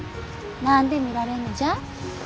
何で見られんのじゃ？